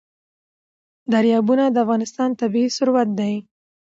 دریابونه د افغانستان طبعي ثروت دی.